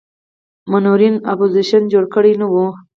منورینو اپوزیشن جوړ کړی نه وي.